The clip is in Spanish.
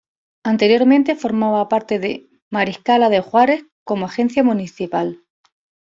Anteriormente formaba parte de Mariscala de Juárez como agencia municipal.